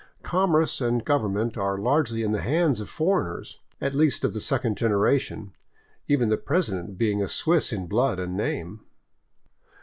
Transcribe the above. Commerce and government are largely in the hands of foreigners, at least of the second generation, even the president being a Swiss in blood and name.